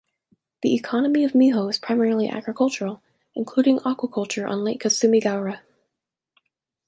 The economy of Miho is primarily agricultural, including aquaculture on Lake Kasumigaura.